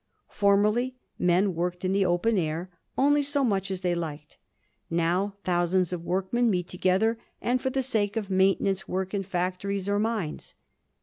Formerly, men worked in the open air only so much as they liked. Now, thousands of workmen meet together and for the sake of maintenance work in factories or mines.